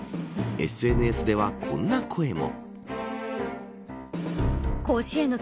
ＳＮＳではこんな声も。